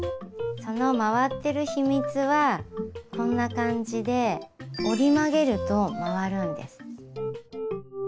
その回ってる秘密はこんな感じで折り曲げると回るんです。